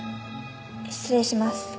失礼します。